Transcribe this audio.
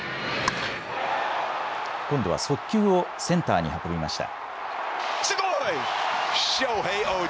今度は速球をセンターに運びました。